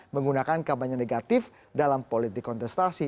menggunakan kampanye negatif dalam politik kontestasi